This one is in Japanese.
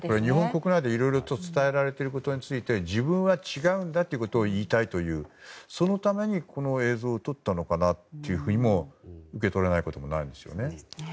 日本国内でいろいろいわれていることについて自分は違うんだということを言いたいというそのためにこの映像を撮ったのかなというふうにも受け取れないこともないですね。